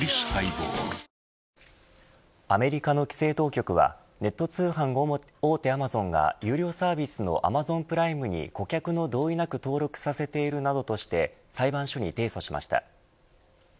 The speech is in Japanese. アメリカの規制当局はネット通販大手アマゾンが有料サービスのアマゾンプライムに顧客の同意なく登録させているなどとして裁判所に提訴しました。